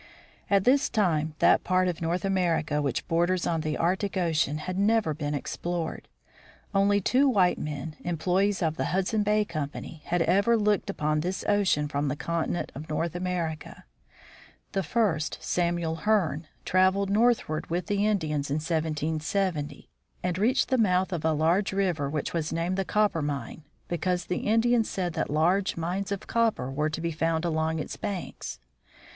At this time that part of North America which borders on the Arctic ocean had never been explored. Only two white men, employees of the Hudson Bay Company, had ever looked upon this ocean from the continent of North 14 FRANKLIN'S FIRST LAND JOURNEY 15 America. The first, Samuel Hearne, traveled northward with the Indians in 1770, and reached the mouth of a large river which was named the Coppermine, because the Indians said that large mines of copper were to be found along its banks.